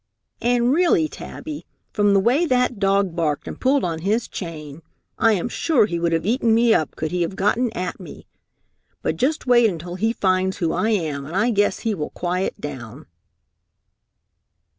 "And really, Tabby, from the way that dog barked and pulled on his chain, I am sure he would have eaten me up could he have gotten at me! But just wait until he finds who I am, and I guess he will quiet down!"